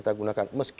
jadi saya ingin menolak